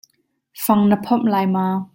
Fang na phomh lai ma?